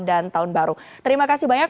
dan tahun baru terima kasih banyak